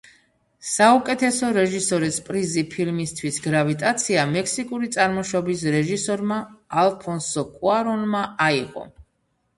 საუკეთესო რეჟისორის პრიზი ფილმისთვის „გრავიტაცია“ მექსიკური წარმოშობის რეჟისორმა, ალფონსო კუარონმა, აიღო.